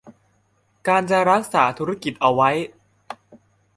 การจะรักษาธุรกิจเอาไว้